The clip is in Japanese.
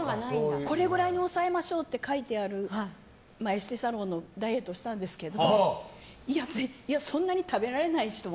これぐらいに抑えましょうって書いてあるエステサロンのダイエットをしたんですけどいや、そんなに食べられないしって。